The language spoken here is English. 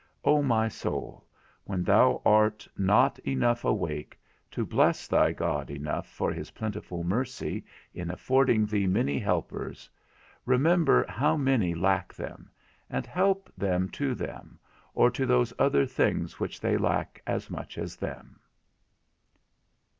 O my soul, when thou art not enough awake to bless thy God enough for his plentiful mercy in affording thee many helpers, remember how many lack them, and help them to them or to those other things which they lack as much as them.